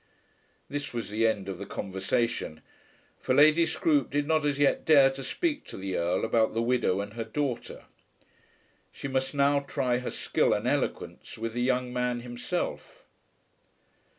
This was the end of the conversation, for Lady Scroope did not as yet dare to speak to the Earl about the widow and her daughter. She must now try her skill and eloquence with the young man himself.